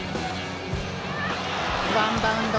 ワンバウンド。